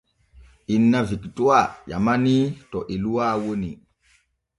Inna Fikituwa ƴamanii to Eluwa woni.